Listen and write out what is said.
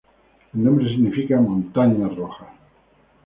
El nombre significa "Montañas Rojas".